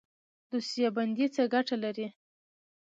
دوسیه بندي څه ګټه لري؟